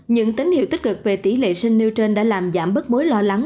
những tín hiệu tích cực về tỷ lệ sinh nêu trên đã làm giảm bớt mối lo lắng